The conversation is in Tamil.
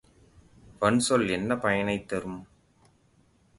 வன்சொல் என்ன பயனைத் தரும்?